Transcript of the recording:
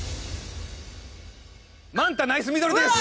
まんたナイスミドルです。